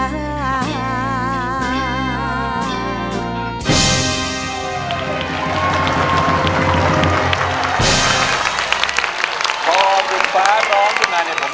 ขอบคุณฟ้าน้องคุณนายเนี่ยผมจำตลอดดี